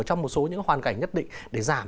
trong một số những hoàn cảnh nhất định để giảm